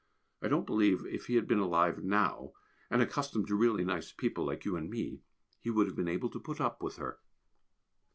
I don't believe if he had been alive now, and accustomed to really nice people like you and me, he would have been able to put up with her.